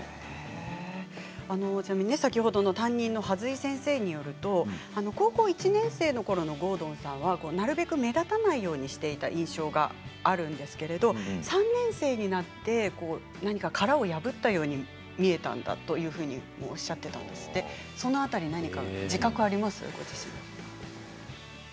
ちなみに先ほどの担任の筈井先生によると高校１年生のころの郷敦さんはなるべく目立たないようにしていた印象があるんですけど３年生になって殻を破ったように見えたというふうにおっしゃっていたんですがその辺り自覚はありますかご自身で。